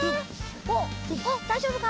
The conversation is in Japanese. おっだいじょうぶか？